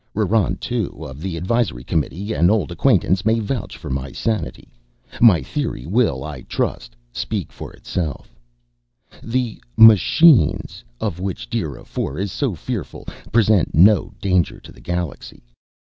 RRON II of the Advisory Committee, an old acquaintance, may vouch for my sanity. My theory will, I trust, speak for itself. The "Machines" of which DIRA IV is so fearful present no danger to the galaxy.